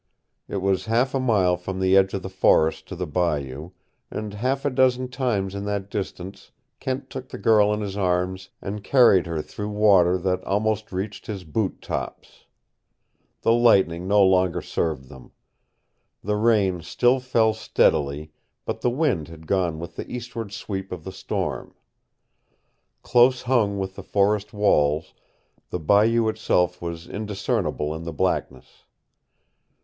It was half a mile from the edge of the forest to the bayou, and half a dozen times in that distance Kent took the girl in his arms and carried her through water that almost reached his boot tops. The lightning no longer served them. The rain still fell steadily, but the wind had gone with the eastward sweep of the storm. Close hung with the forest walls, the bayou itself was indiscernible in the blackness.